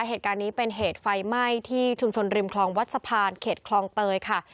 เหตุการณ์นี้เป็นเหตุไฟไหม้ที่ชุมชนริมคลองวัดสะพานเขตคลองเตยค่ะ